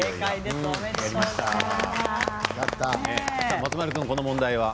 松丸君この問題は。